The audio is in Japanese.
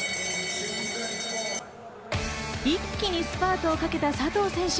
一気にスパートをかけた佐藤選手。